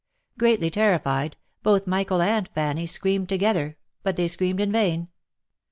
Greatly terrified, both Michael and Fanny screamed together, but they screamed in vain.